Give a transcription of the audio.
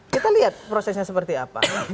kita lihat prosesnya seperti apa